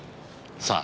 さあ。